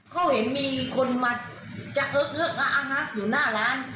เขาเห็นมีคนมาจักฮึกอยู่หน้าร้าน